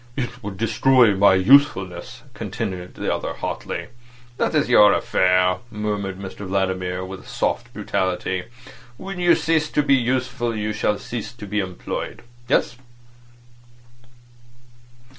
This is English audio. "It would destroy my usefulness," continued the other hotly. "That's your affair," murmured Mr Vladimir, with soft brutality. "When you cease to be useful you shall cease to be employed. Yes.